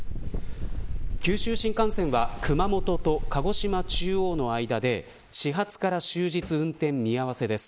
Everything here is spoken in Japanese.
九州新幹線は熊本と鹿児島中央の間で始発から終日運転見合わせです。